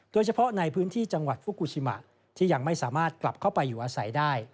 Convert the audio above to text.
โดยเฉพาะในพื้นที่จังหวัดฟุกูชิมะที่ยังไม่สามารถกลับเข้าไปอยู่อาศัยได้